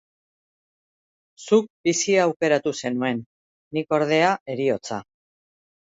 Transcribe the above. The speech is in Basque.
Zuk bizia aukeratu zenuen; nik, ordea, heriotza.